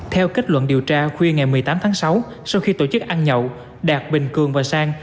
theo kết luận điều tra khuya ngày một mươi tám tháng sáu sau khi tổ chức ăn nhậu đạt bình cường và sang